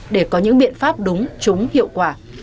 để có những biện pháp đúng chúng hiệu quả